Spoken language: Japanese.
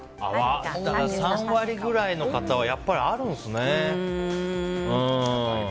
３割くらいの方はやっぱりあるんですね。